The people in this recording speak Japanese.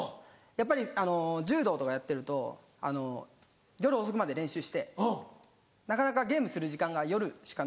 やっぱり柔道とかやってると夜遅くまで練習してなかなかゲームする時間が夜しか。